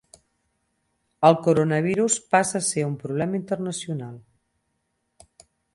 El coronavirus passa a ser un problema internacional